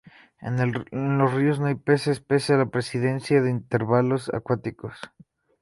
En los ríos no hay peces pese a la presencia de invertebrados acuáticos.